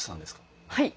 はい。